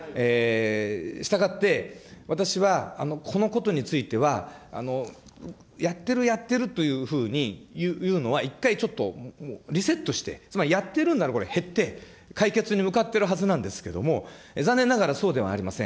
したがって私はこのことについては、やっている、やっているというふうにいうのは一回ちょっとリセットして、つまりやってるんならこれ減って、解決に向かっているはずなんですけれども、残念ながらそうではありません。